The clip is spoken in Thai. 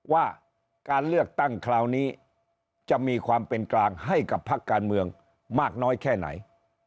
ว่าการเลือกตั้งคราวนี้จะมีความเป็นกลางให้กับพักการเมืองมากน้อยแค่ไหน